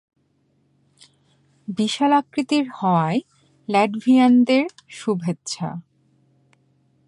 বিশালাকৃতির হওয়ায় ল্যাটভিয়ানদের শুভেচ্ছা।